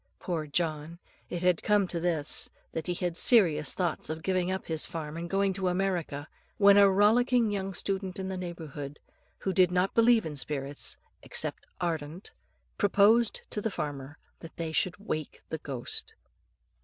Poor John! it had come to this, that he had serious thoughts of giving up his farm and going to America, when a rollicking young student in the neighbourhood, who did not believe in spirits except ardent proposed to the farmer that they should "wake the ghost."